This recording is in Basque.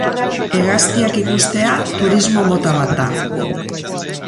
Hegaztiak ikustea turismo mota bat da.